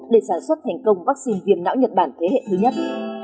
để sản xuất thành công vaccine viêm não nhật bản thế hệ thứ nhất